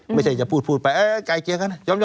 ไม่ใช่จะพูดไปไกล่เกลี่ยกันยอมไป